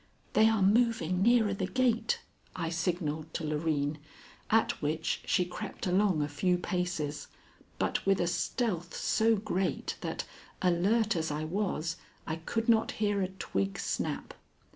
"They are moving nearer the gate," I signalled to Loreen, at which she crept along a few paces, but with a stealth so great that, alert as I was, I could not hear a twig snap.